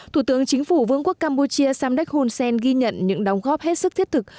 thủ tướng chính phủ vương quốc campuchia samdek hun sen ghi nhận những đóng góp hết sức thiết thực